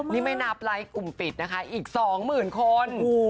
นี่ไม่นับไลค์กลุ่มปิดนะคะอีก๒๐๐๐คน